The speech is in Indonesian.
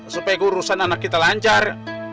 supaya urusan anak kita lancar